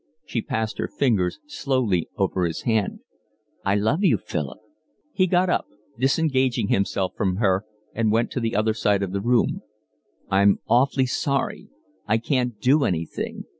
She passed her fingers slowly over his hand. "I love you, Philip." He got up, disengaging himself from her, and went to the other side of the room. "I'm awfully sorry, I can't do anything.